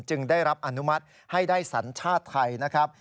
ได้รับอนุมัติให้ได้สัญชาติไทยนะครับ